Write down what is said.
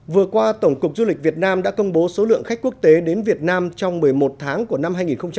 vừa qua tổng cục du lịch việt nam đã công bố số lượng khách quốc tế đến việt nam trong một mươi một tháng của năm hai nghìn hai mươi